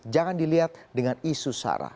jangan dilihat dengan isu sara